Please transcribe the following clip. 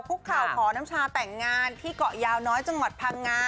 คุกเข่าขอน้ำชาแต่งงานที่เกาะยาวน้อยจังหวัดพังงา